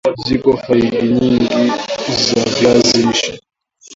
ziko faida nyingi za viazi lishe